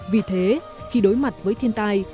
vì thế khi đối mặt với thiên tai